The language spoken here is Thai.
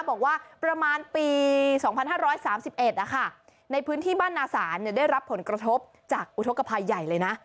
บอกว่าประมาณปี๒๕๓๑ในพื้นที่บ้านนาศาลได้รับผลกระทบจากอุทธกภัยใหญ่เลยนะ